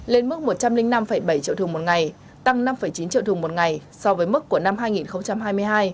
lên mức một trăm linh năm bảy triệu thùng một ngày tăng năm chín triệu thùng một ngày so với mức của năm hai nghìn hai mươi hai